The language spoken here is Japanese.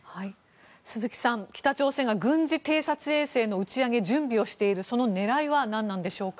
鈴木さん、北朝鮮が軍事偵察衛星の打ち上げ準備をしているその狙いは何なんでしょうか。